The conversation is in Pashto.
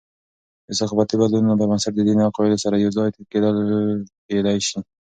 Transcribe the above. د ثقافتي بدلونونو پربنسټ، د دیني عقاید سره یوځای کیدل کېدي سي.